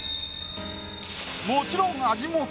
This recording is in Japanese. もちろん。